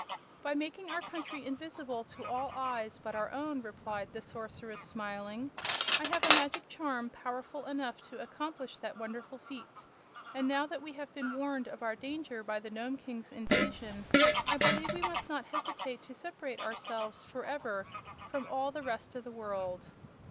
"By making our country invisible to all eyes but our own," replied the Sorceress, smiling. "I have a magic charm powerful enough to accomplish that wonderful feat, and now that we have been warned of our danger by the Nome King's invasion, I believe we must not hesitate to separate ourselves forever from all the rest of the world."